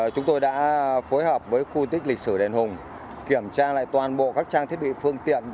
chúng tôi đã phối hợp với khu di tích lịch sử đền hùng kiểm tra lại toàn bộ các trang thiết bị phương tiện